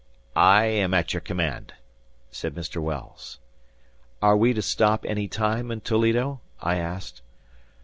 "I am at your command," said Mr. Wells. "Are we to stop any time in Toledo?" I asked.